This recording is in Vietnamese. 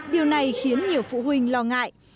điều này khiến nhiều phụ huynh lo ngại